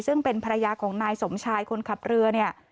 ซึ่งเป็นภรรยาของนายสมชายคนขับเรือเนี่ย